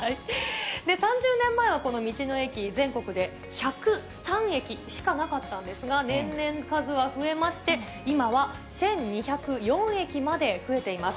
３０年前は、この道の駅、全国で１０３駅しかなかったんですが、年々数は増えまして、今は１２０４駅まで増えています。